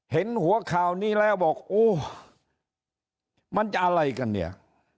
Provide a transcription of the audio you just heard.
เห็นหัวข่าวนี้แล้วบอกโอ้มันจะอะไรกันเนี่ย